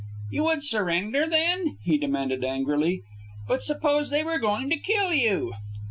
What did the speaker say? "You would surrender, then?" he demanded angrily. "But suppose they were going to kill you?"